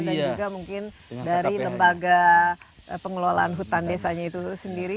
dan juga mungkin dari lembaga pengelolaan hutan desanya itu sendiri